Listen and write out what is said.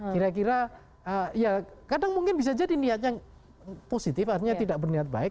kira kira ya kadang mungkin bisa jadi niatnya positif artinya tidak berniat baik